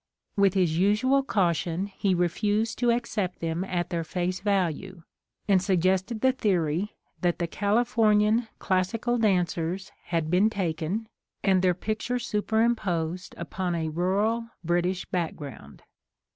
With his usual caution he refused to accept them at their face value, and suggested the theory that the Califor nian Classical dancers had been taken and their picture superimposed upon a rural British background.